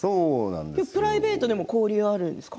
プライベートでも交流があるんですか。